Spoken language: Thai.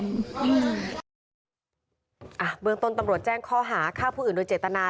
เบื้องต้นตำรวจแจ้งข้อหาฆ่าผู้อื่นโดยเจตนา